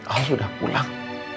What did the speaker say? al sudah pulang